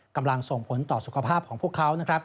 กำลังส่งผลต่อสุขภาพของพวกเขา